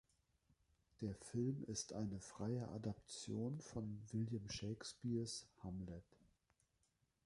Der Film ist eine freie Adaption von William Shakespeares „Hamlet“.